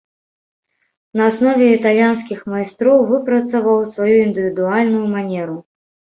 На аснове італьянскіх майстроў выпрацаваў сваю індывідуальную манеру.